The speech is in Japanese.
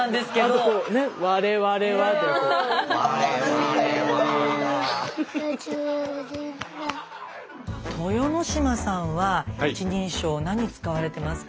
なんかこうね豊ノ島さんは一人称何使われてますか？